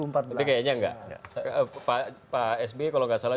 pak sby kalau tidak salah